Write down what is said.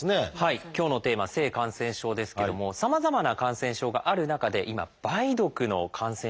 今日のテーマ「性感染症」ですけどもさまざまな感染症がある中で今梅毒の感染者